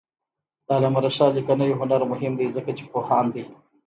د علامه رشاد لیکنی هنر مهم دی ځکه چې پوهاند دی.